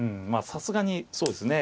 さすがにそうですね